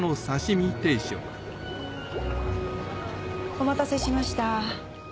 お待たせしました。